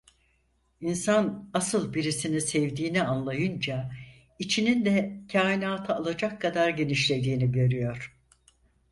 İnsan asıl birisini sevdiğini anlayınca içinin de kainatı alacak kadar genişlediğini görüyor.